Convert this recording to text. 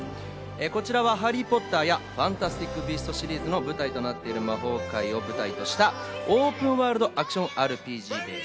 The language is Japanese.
こちらは『ハリー・ポッター』や『ファンタスティック・ビースト』シリーズの舞台となっている魔法界を舞台としたオープンワールド・アクションＲＰＧです。